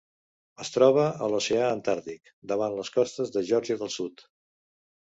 Es troba a l'Oceà Antàrtic: davant les costes de Geòrgia del Sud.